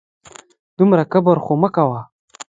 دومره کبر خو مه کوه